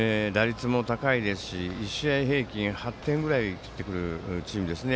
打率も高いし１試合平均８点ぐらい取ってくるチームですね。